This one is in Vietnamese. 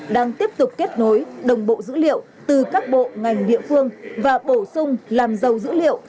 đang tiếp tục kết nối đồng bộ dữ liệu từ các bộ ngành địa phương và bổ sung làm giàu dữ liệu